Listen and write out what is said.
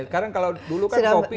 sekarang kalau dulu kan kopi